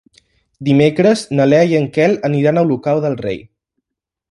Dimecres na Lea i en Quel aniran a Olocau del Rei.